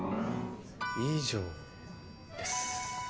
以上です。